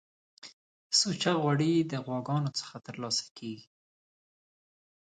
سوچه غوړی د غواګانو څخه ترلاسه کیږی